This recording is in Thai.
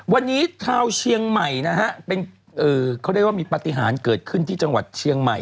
วันนี้ชาวเชียงใหม่นะฮะเป็นเขาเรียกว่ามีปฏิหารเกิดขึ้นที่จังหวัดเชียงใหม่